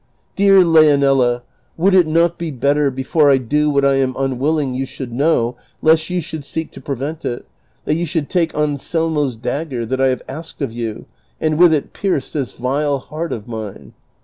dear Leonela, would it not be better, before I do what I am unwilling you should know lest you should seek to prevent it, that you should take .Anselmo's dagger that I have asked of you and with it pierce this vile heart of mine?